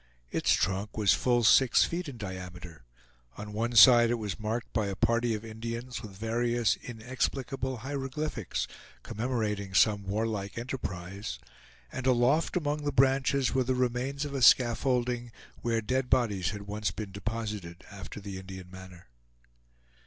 Its trunk was full six feet in diameter; on one side it was marked by a party of Indians with various inexplicable hieroglyphics, commemorating some warlike enterprise, and aloft among the branches were the remains of a scaffolding, where dead bodies had once been deposited, after the Indian manner.